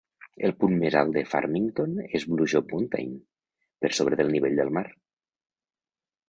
El punt més alt de Farmington és Blue Job Mountain, per sobre del nivell del mar.